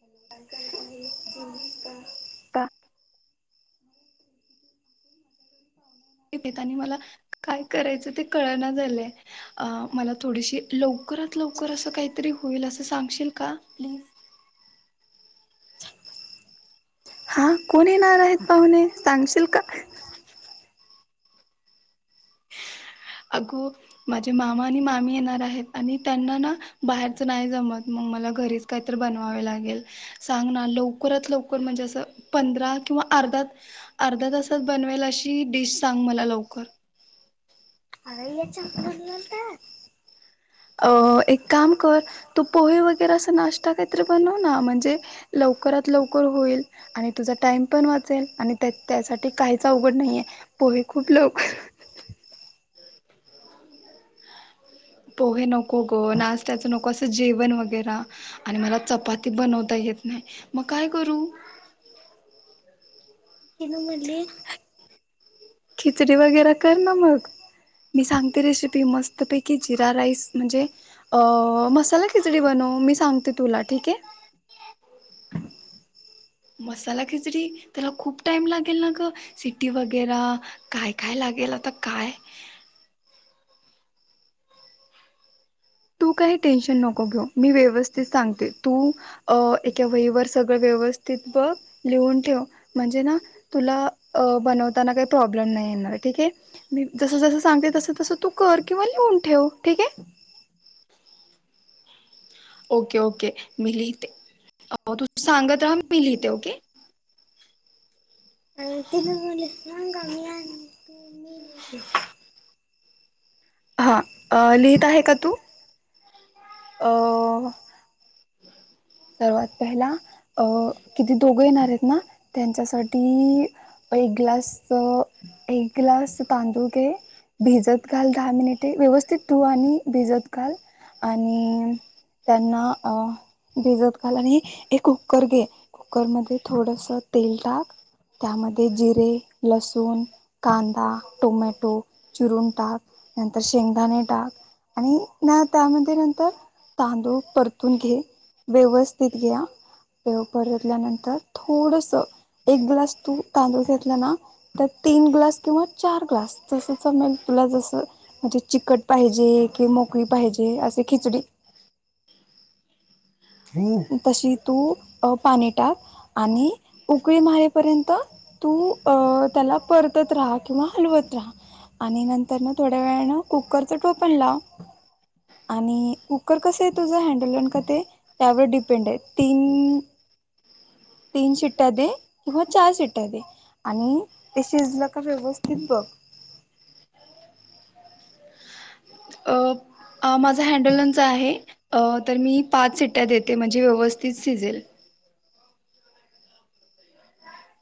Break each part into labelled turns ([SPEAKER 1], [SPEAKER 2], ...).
[SPEAKER 1] Hello काय करता आहे तुम्ही का?
[SPEAKER 2] का येत आणि मला काय करायचं ते कळना झालंय अ मला थोडीशी लवकरात लवकर असं काहीतरी होईल असं सांगशील का प्लीज!
[SPEAKER 1] [inaudible] हा कोण येणार आहेत पाहुणे सांगशील का?
[SPEAKER 2] अगं माझे मामा आणि मामी येणार आहेत, आणि त्यांना ना बाहेरचं नाही जमत मग मला घरीच काहीतर बनवावे लागेल सांग ना लवकरात लवकर म्हणजे असं पंधरा किंवा अर्धा अर्ध्या तासात बनवेल अशी डिश सांग मला लवकर.
[SPEAKER 1] अरे चहा बनवं ना. अ, एक काम कर तू पोहे वगैरे असं नाश्ता काहीतरी बनव ना म्हणजे लवकरात लवकर होईल. आणि तुझा टाईम पण वाचेल आणि त्या त्यासाठी ते काहीच अवघड नाहीये पोहे खूप लवकर हाह
[SPEAKER 2] पोहे नको गं नाष्ट्याचं नको असं जेव ण वैगेरा आणि मला चपाती बनवता येत नाही मग काय करू?
[SPEAKER 1] ना खिचडी वगैरे कर ना मग. मी सांगते रेसिपी मस्तपैकी जिरा राईस म्हणजे मसाला खिचडी बनव मी सांगते तुला ठीक आहे.
[SPEAKER 2] मसाला खिचडी त्याला खूप टाइम लागेल ना ग? सिट्टी वगैरा, काय काय लागेल? केला तर काय,
[SPEAKER 1] [inaudible] तू काही टेन्शन नको घेऊ, मी व्यवस्थित सांगते तू एका वही वर सगळ व्यव व्यवस्थित बघ लिहून ठेव म्हणजे ना तुला बनवताना काही प्रॉब्लेम नाही. ठीके मी जस जस सांगते तस तसं तू कर किंवा लिहून ठेव ठीक आहे.
[SPEAKER 2] ओके ओके मी लिहिते तुझ सांगत राहा म मी लिहिते ओके,
[SPEAKER 1] [unintelligible] हा लिहित आहे का तू, अ
[SPEAKER 2] [inaudible]
[SPEAKER 1] सर्वात पहिला अ किती दोघं येणार आहेत ना त्यांच्यासाठी ऐक ग्लास, ऐक ग्लास तांदूळ घे. भिजत घाल दहा मिनिटे, व्यवस्थित धू आणि भिजत घाल आणि त्यांना अ भिजत घाल आणि एक कुकर घे कुकर मध्ये थोडस तेल टाक, त्यामध्ये जिरे लसूण, कांदा, टोमॅटो चिरून टाक नंतर शेंगदाणे टाक आणि न त्यामध्ये नंतर तांदूळ परतून घे व्यवस्थित घे हा ते परतल्यानंतर थोडस एक ग्लास तू तांदूळ घेतला ना तर तीन ग्लास किंवा चार ग्लास जस चमेल जस म्हणजे चिकट पाहिजे कि मोकळी पाहिजे असे खिचडी हम्
[SPEAKER 2] [inaudible]
[SPEAKER 1] तू अ पाणी टाक आणि उकळी मारेपर्यंत तू अ त्याला परतत राहा किंवा हलवत आणि नंतर ना थोड्या वेळ कुकरचं टोपण लाव. आणि कुकर कसं आहे तुझं हँडलोन का ते त्यावर डीपेंड आहे तीन तीन शिट्या दे किंवा चार शिट्या दे. आणि ते शिजलं का व्यवस्थित बघ.
[SPEAKER 2] माझा हॅडलनचा आहे. अ तर मी पाच सिट्ट्या देते म्हणजे व्यवस्थित शिजेल.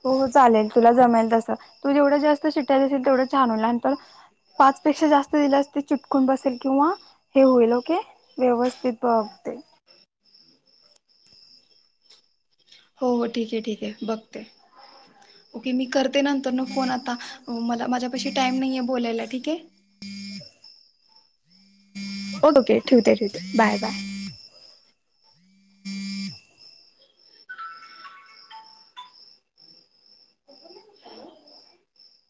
[SPEAKER 1] हो हो चालेल तुला जमेल तस तू जेवढं जास्त शिटाया असेल तेवढं छान होईल आणि नंतर पाचपेक्षा जास्त दिल्या चिटकून बसेल किंवा हे होईल ओके व्यवस्थित बघ ते
[SPEAKER 2] हो हो ठीक आहे ठीक आहे. बघते ओके मी कर करते नंतर फोन आता मला माझ्या पाशी टाईम नाही बोलायला ठीक ये.
[SPEAKER 1] ओके ठेवते ठेवते बाय बाय.. [inaudible]